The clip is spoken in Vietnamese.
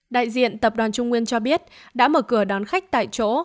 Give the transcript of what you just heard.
đại diện tập đoàn trung nguyên cho biết đã mở cửa đón khách tại chỗ